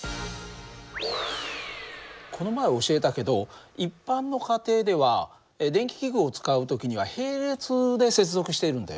この前教えたけど一般の家庭では電気器具を使う時には並列で接続しているんだよね。